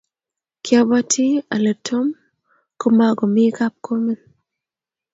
kiabatii ale Tom komakomii kapkomen.